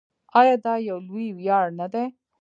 آیا دا یو لوی ویاړ نه دی؟